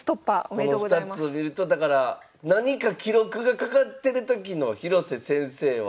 この２つを見るとだから何か記録がかかってるときの広瀬先生は。